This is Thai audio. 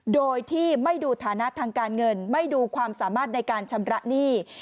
โดยที่ไม่ดูฐานะทางการเงินไม่ดูความสามารถในการชำระหนี้